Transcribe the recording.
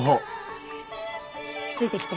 ついてきて。